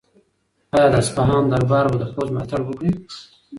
آیا د اصفهان دربار به د پوځ ملاتړ وکړي؟